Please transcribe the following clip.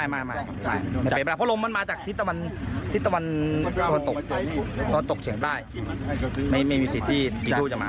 ไม่เพราะลมมันมาจากที่ตะวันตกเฉียงใต้ไม่มีสิทธิกลิ่นทูบจะมา